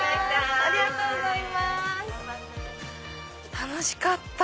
楽しかった！